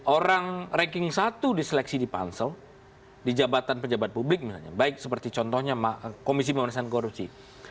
orang ranking satu di seleksi di pansel di jabatan pejabat publik misalnya baik seperti contohnya komisi pemerintahan korupsi